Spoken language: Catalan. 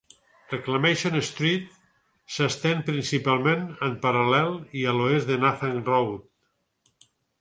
Reclamation Street s'estén principalment en paral·lel i a l'oest de Nathan Road.